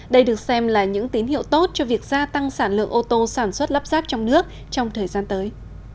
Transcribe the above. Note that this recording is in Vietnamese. đây được xem là những tín hiệu tốt cho việc gia tăng sản lượng ô tô sản xuất lắp ráp trong nước trong thời gian tới